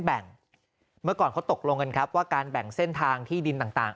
แบ่งเมื่อก่อนเขาตกลงกันครับว่าการแบ่งเส้นทางที่ดินต่าง